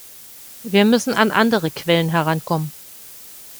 Wir müssen an andere Quellen herankommen.